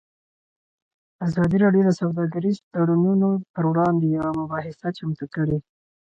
ازادي راډیو د سوداګریز تړونونه پر وړاندې یوه مباحثه چمتو کړې.